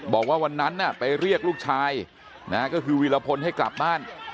บอกว่าวันนั้นไปเรียกลูกชายก็คือวีรพลให้กลับบ้าน